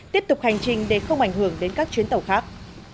tiếp tục hành trình để không ảnh hưởng đến các chuyến tàu khác